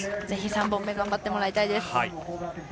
ぜひ３本目頑張ってもらいたいです。